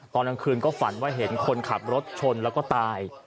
ตอนกลางคืนก็ฝันว่าเห็นคนขับรถชนแล้วก็ตาย